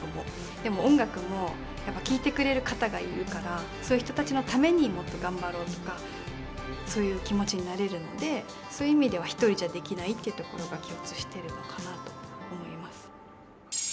でも音楽もやっぱ聴いてくれる方がいるからそういう人たちのためにもっと頑張ろうとかそういう気持ちになれるのでそういう意味では一人じゃできないってところが共通してるのかなと思います。